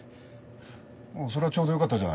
おうそれはちょうどよかったじゃないの。